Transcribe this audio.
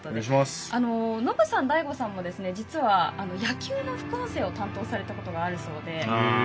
ノブさん、大悟さんも実は野球の副音声を担当されたことがあるそうで。